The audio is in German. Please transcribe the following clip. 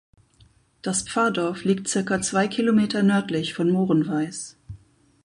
Das Pfarrdorf liegt circa zwei Kilometer nördlich von Moorenweis.